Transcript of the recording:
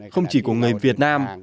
không chỉ của người việt nam